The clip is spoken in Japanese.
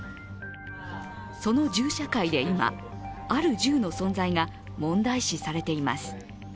その銃社会で今、ある銃の存在が問題視されています。